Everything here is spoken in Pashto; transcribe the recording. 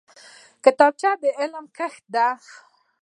کتابچه د علم کښت دی